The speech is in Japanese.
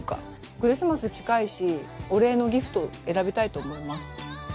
クリスマス近いしお礼のギフトを選びたいと思います。